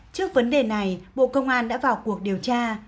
trước vấn đề này bộ công an đã vào cuộc điều tra